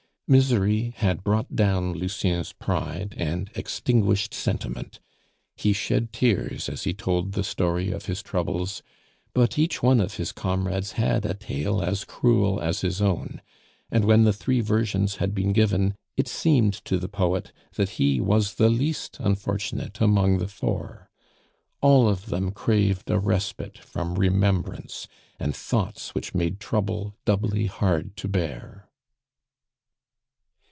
Misery had brought down Lucien's pride and extinguished sentiment; he shed tears as he told the story of his troubles, but each one of his comrades had a tale as cruel as his own; and when the three versions had been given, it seemed to the poet that he was the least unfortunate among the four. All of them craved a respite from remembrance and thoughts which made trouble doubly hard to bear.